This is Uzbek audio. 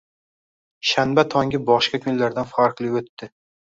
Shanba tongi boshqa kunlardan farqli o`tdi